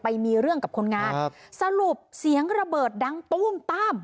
ไปมีเรื่องกับคนงานครับสรุปเสียงระเบิดดังตู้มตั้ม